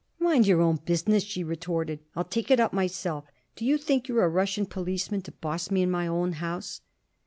"Mind your own business," she retorted. "I'll take it up myself. Do you think you're a Russian policeman to boss me in my own house?"